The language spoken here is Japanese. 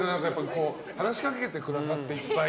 話しかけてくださって、いっぱい。